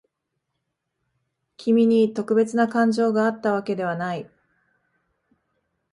君に特別な感情があったわけではない。